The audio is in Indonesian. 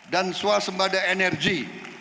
dan suasembada energi